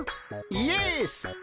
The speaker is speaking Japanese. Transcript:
イエス。